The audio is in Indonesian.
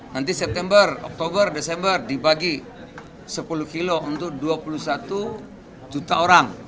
nanti september oktober desember dibagi sepuluh kilo untuk dua puluh satu juta orang